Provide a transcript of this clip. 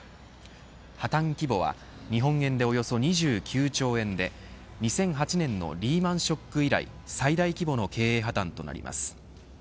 破綻規模は日本円でおよそ２９兆円で２００８年のリーマン・ショック以来最大規模の経営破綻となります。